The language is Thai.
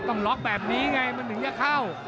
ต้องล็อกแบบนี้ไงมันถึงจะเข้า